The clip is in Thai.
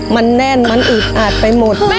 มันแน่นมันอึดอัดไปหมด